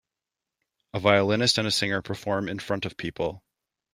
A violinist and a singer perform in front of people.